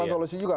bukan solusi juga